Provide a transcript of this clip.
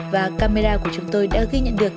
và camera của chúng tôi đã ghi nhận được